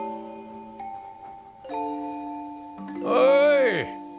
おい！